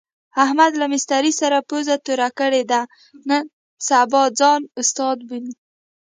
احمد له مستري سره پوزه توره کړې ده، نن سبا ځان استاد بولي.